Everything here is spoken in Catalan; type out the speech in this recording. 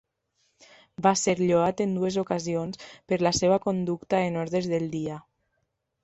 Va ser lloat en dues ocasions per la seva conducta en ordres del dia.